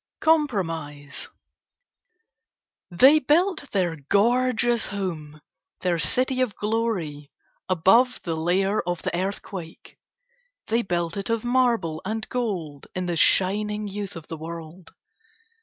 COMPROMISE They built their gorgeous home, their city of glory, above the lair of the earthquake. They built it of marble and gold in the shining youth of the world.